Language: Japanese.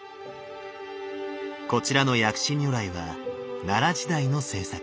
こちらの薬師如来は奈良時代の制作。